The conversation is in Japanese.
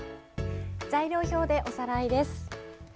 材料表でおさらいです。